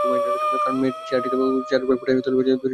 কারণ চেয়ারটিকে চেয়াররূপে ফুটাইয়া তুলিবার জন্য দুইটি জিনিষের প্রয়োজন।